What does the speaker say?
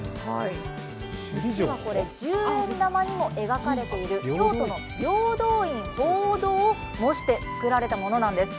実はこれこちら、十円玉にも描かれている京都の平等院鳳凰堂を模して作られているんです。